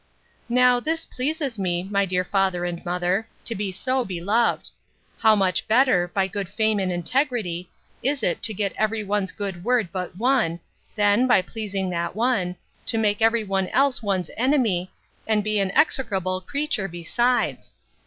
Now this pleases one, my dear father and mother, to be so beloved.—How much better, by good fame and integrity, is it to get every one's good word but one, than, by pleasing that one, to make every one else one's enemy, and be an execrable creature besides!